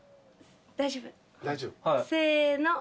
大丈夫せの。